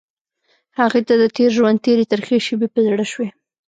هغې ته د تېر ژوند تېرې ترخې شېبې په زړه شوې.